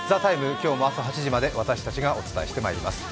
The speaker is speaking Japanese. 今日も朝８時まで私たちがお伝えしてまいります。